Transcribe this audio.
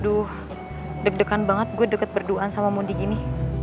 aduh deg degan banget gue deket berduaan sama mundi gini